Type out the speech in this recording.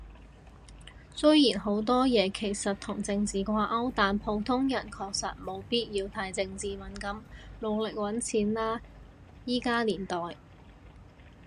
雖然好多嘢其實同政治掛鈎，但普通人確實沒必要太政治敏感。努力搵錢喇依家年代